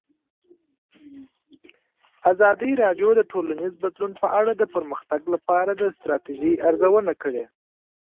ازادي راډیو د ټولنیز بدلون په اړه د پرمختګ لپاره د ستراتیژۍ ارزونه کړې.